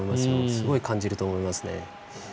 すごい感じると思いますね。